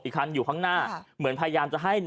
คันอยู่ข้างหน้าเหมือนพยายามจะให้